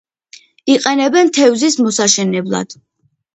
იყენებენ თევზის მოსაშენებლად.